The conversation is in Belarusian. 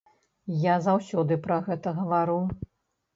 Я заўсёды пра гэта гавару.